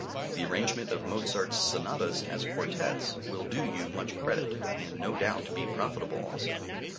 The arrangement of Mozart's Sonatas as quartets will do you much credit, and no doubt be profitable also.